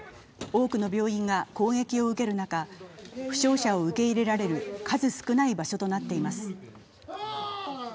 多くの病院が攻撃を受ける中、負傷者を受け入れられる数少ない場所となっています。